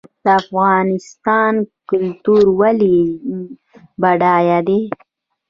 د افغانستان کلتور ولې بډای دی؟